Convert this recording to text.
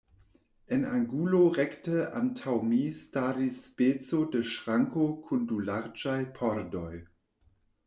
En angulo rekte antaŭ mi staris speco de ŝranko kun du larĝaj pordoj.